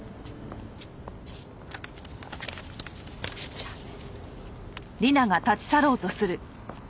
じゃあね。